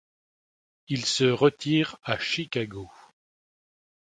Il se retire à Chicago.